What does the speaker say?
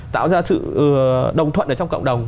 tạo ra sự đồng thuận ở trong cộng đồng